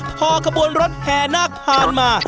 พอขบวนรถแห่นาคผ่านมา